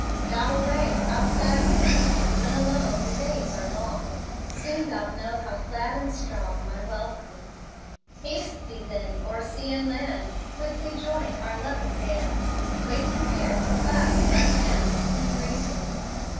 "Thou away, how sad my song! When alone, the days are long; Soon thou'lt know how glad and strong My welcome. "Haste thee, then, o'er sea and land: Quickly join our loving band, Waiting here to clasp thy hand In greeting."